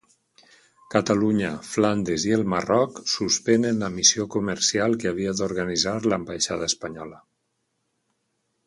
Catalunya, Flandes i el Marroc suspenen la missió comercial, que havia d'organitzar l'ambaixada espanyola.